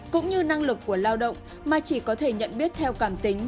cũng như năng lực của lao động mà chỉ có thể nhận biết theo cảm tính